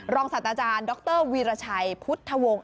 ศาสตราจารย์ดรวีรชัยพุทธวงศ์